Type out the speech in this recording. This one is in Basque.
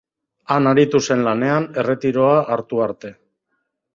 Han aritu zen lanean erretiroa hartu arte.